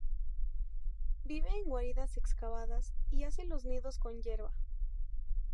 Vive en guaridas excavadas, y hace los nidos con hierba.